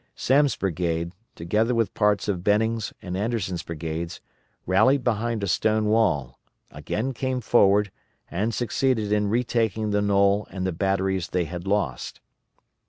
Semmes' brigade, together with parts of Benning's and Anderson's brigades, rallied behind a stone wall, again came forward, and succeeded in retaking the knoll and the batteries they had lost.